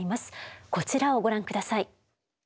こちらをご覧下さい。